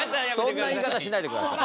そんな言い方しないでください。